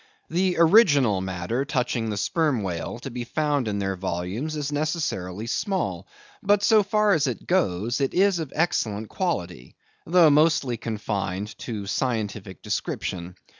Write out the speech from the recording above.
The original matter touching the sperm whale to be found in their volumes is necessarily small; but so far as it goes, it is of excellent quality, though mostly confined to scientific description.